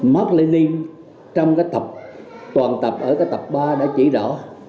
mark lennon trong toàn tập ở tập ba đã chỉ rõ